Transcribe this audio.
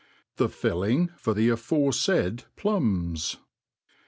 The Filling for the afcrefaid Plums.